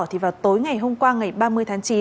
thì vào tối ngày hôm qua ngày ba mươi tháng chín